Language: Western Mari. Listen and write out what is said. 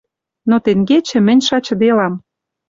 Но тенгечӹ мӹнь шачделам